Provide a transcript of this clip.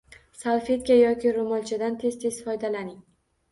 Salfetka yoki ro‘molchadan tez-tez foydalaning